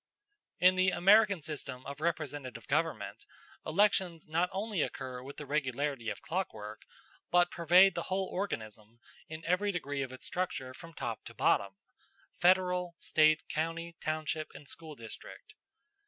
In the American system of representative government, elections not only occur with the regularity of clockwork, but pervade the whole organism in every degree of its structure from top to bottom Federal, State, county, township, and school district.